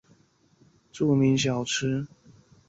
川北凉粉是四川南充的著名小吃。